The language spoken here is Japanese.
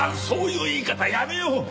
そういう言い方やめよう！